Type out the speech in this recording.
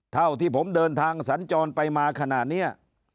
เท่าที่ผมเดินทางสัญจรไปมาขนาดนี้